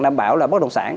đảm bảo là bất động sản